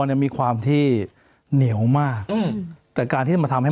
แต่การที่จะมาทำให้มากของมัน